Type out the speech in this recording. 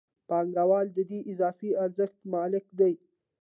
پانګوال د دې اضافي ارزښت مالک دی